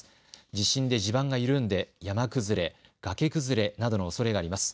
地震で地盤が緩んで山崩れ、崖崩れなどのおそれがあります。